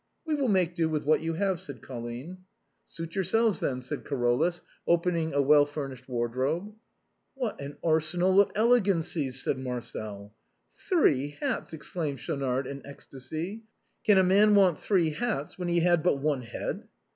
" We will make do with what you have," said Colline. " Suit yourselves, then," said Carolus, opening a well furnished wardrobe. " What an arsenal of elegancies !" said Marcel. " Three hats !" exclaimed Schaunard, in ecstasy ;" can a man want three hats when he has but one head?"